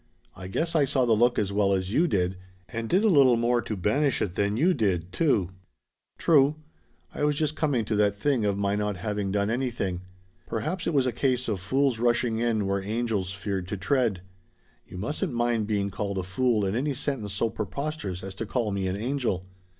"I guess I saw the look as well as you did and did a little more to banish it than you did, too." "True. I was just coming to that thing of my not having done anything. Perhaps it was a case of fools rushing in where angels feared to tread. You mustn't mind being called a fool in any sentence so preposterous as to call me an angel.